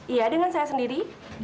iya dengan saya sendiri